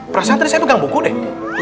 perasaan tadi saya pegang buku deh